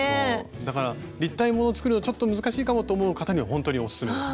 だから立体もの作るのちょっと難しいかもと思う方にはほんとにオススメです。